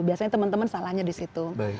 biasanya teman teman salahnya di situ